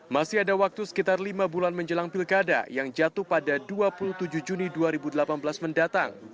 masih ada waktu sekitar lima bulan menjelang pilkada yang jatuh pada dua puluh tujuh juni dua ribu delapan belas mendatang